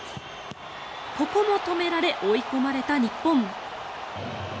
ここも止められ追い込まれた日本。